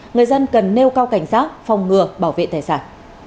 người dân cần nêu cao cảnh giác phòng ngừa bảo vệ tài sản